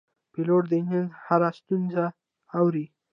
پیلوټ د انجن هره ستونزه اوري.